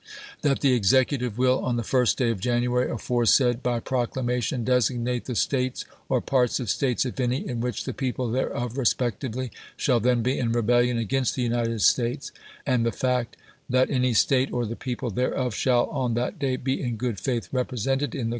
That the Executive will, on the first day of Janu ary aforesaid, by proclamation, designate the States, or parts of States if any, in which the people thereof, respec tively, shall then be in rebellion against the United States ; and the fact that any State, or the people thereof, EMANCIPATION ANNOUNCED 169 shall, on that day, be in good faith represented in the chap.